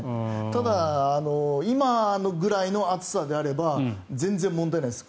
ただ、今ぐらいの暑さであれば全然問題ないです。